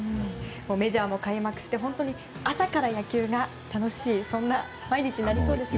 メジャーも開幕して本当に朝から野球が楽しいそんな毎日になりそうですね。